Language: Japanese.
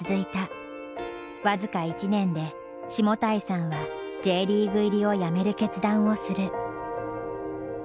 僅か１年で下平さんはＪリーグ入りをやめる決断をする。